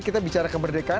kita bicara kemerdekaan